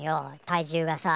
体重がさ。